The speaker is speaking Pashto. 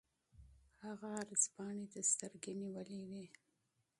هغه عرض پاڼې ته سترګې نیولې وې.